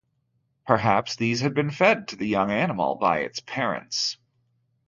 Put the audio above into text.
Perhaps these had been fed to the young animal by its parents.